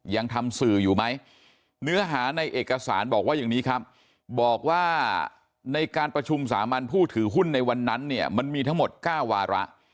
ยังทำสื่ออยู่ไหมเนื้อหาในเอกสารบอกว่าอย่างนี้ครับบอกว่าในการประชุมสามัญผู้ถือหุ้นในวันนั้นเนี่ยมันมีทั้งหมด๙วาระ